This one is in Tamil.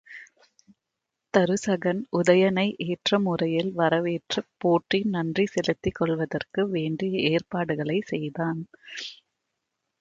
தருசகன், உதயணனை ஏற்ற முறையில் வரவேற்றுப் போற்றி நன்றி செலுத்திக் கொள்வதற்கு வேண்டிய ஏற்பாடுகளைச் செய்தான்.